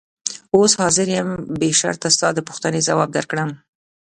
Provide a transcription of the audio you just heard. اوس حاضر یم بې شرطه ستا د پوښتنې ځواب درکړم.